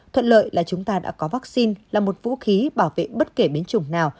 thuận lợi là chúng ta đã có vaccine là một vũ khí bảo vệ bất kể biến chủng nào